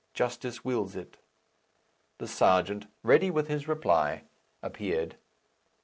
Justice wills it." The Serjeant, ready with his reply, appeared.